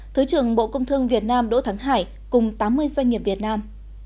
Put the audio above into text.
thứ trưởng bộ công thương việt nam đỗ thắng hải cùng tám mươi doanh nghiệp việt nam